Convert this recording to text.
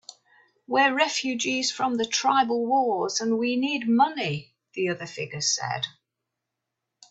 "We're refugees from the tribal wars, and we need money," the other figure said.